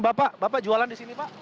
bapak bapak jualan di sini pak